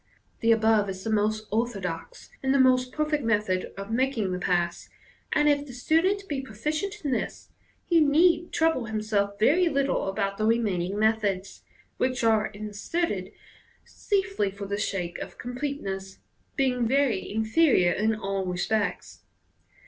The above is the most orthodox and the most perfect method of 14 MODERN MAGIC. making the pass, and if the student be proficient in this, he need trouble himself vt ry little about the remaining methods, which are inserted chiefly for the sake of completeness, being very inferior in all respects.